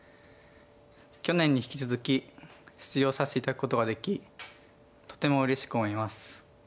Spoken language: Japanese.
去年に引き続き出場させて頂くことができとてもうれしく思います。